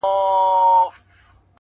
پوهه د انسان تلپاتې ملګرې ده’